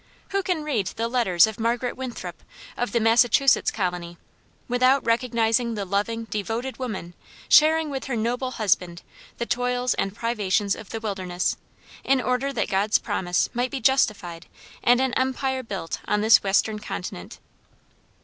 Who can read the letters of Margaret Winthrop, of the Massachusetts Colony, without recognizing the loving, devoted woman sharing with her noble husband the toils and privations of the wilderness, in order that God's promise might be justified and an empire built on this Western Continent.